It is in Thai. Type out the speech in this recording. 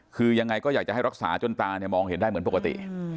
คือยังไงก็อยากจะให้รักษาจนตาเนี่ยมองเห็นได้เหมือนปกติ